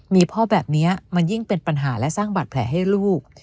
มีพ่อแบบนี้มันยิ่งเป็นปัญหาและสร้างบาดแผลให้ลูก